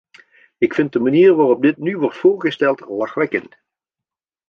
Ik vind de manier waarop dit nu wordt voorgesteld lachwekkend.